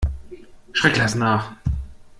Schreck lass nach!